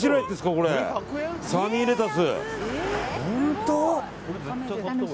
サニーレタス。